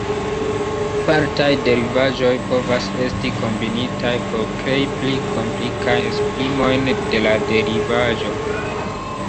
Partaj derivaĵoj povas esti kombinitaj por krei pli komplikajn esprimojn de la derivaĵo.